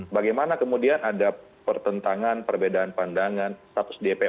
bagaimana kemudian ada pertentangan perbedaan pandangan status dpr